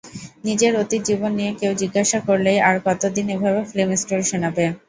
নিজের অতীত জীবন নিয়ে কেউ জিজ্ঞাসা করলেই আর কতদিন এভাবে ফিল্ম স্টোরি শোনাবে?